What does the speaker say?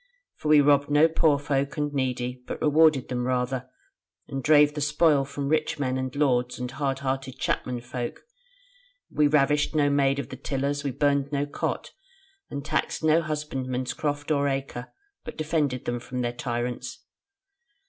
For we robbed no poor folk and needy, but rewarded them rather, and drave the spoil from rich men and lords, and hard hearted chapmen folk: we ravished no maid of the tillers, we burned no cot, and taxed no husbandman's croft or acre, but defended them from their tyrants.